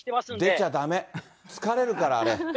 出ちゃだめ、疲れるから、あれ。